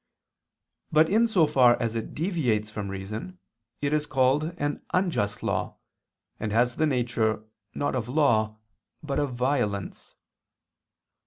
But in so far as it deviates from reason, it is called an unjust law, and has the nature, not of law but of violence.